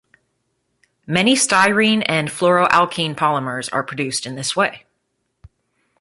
Many styrene and fluoroalkene polymers are produced in this way.